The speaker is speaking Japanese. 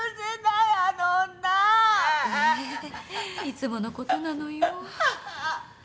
いつものことなのよ。